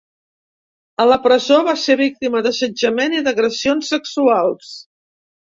A la presó, va ser víctima d'assetjament i d'agressions sexuals.